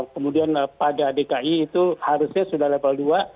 kemudian pada dki itu harusnya sudah level dua